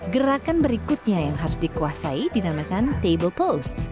gerakan berikutnya yang harus dikuasai dinamakan table post